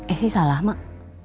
esi salah mak